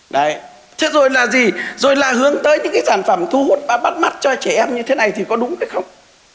đấy thế rồi là gì rồi là hướng tới những cái sản phẩm thu hút và bắt mắt cho trẻ em như thế này thì có đúng hay không